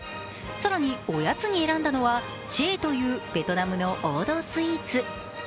更に、おやつに選んだのはチェーというベトナムの王道スイーツ。